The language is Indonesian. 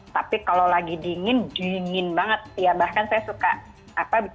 tapi kalau lagi dingin dingin banget ya bahkan saya suka apa